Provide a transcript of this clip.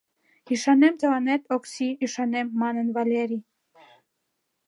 — Ӱшанем тыланет, Окси, ӱшанем, — манын Валерий.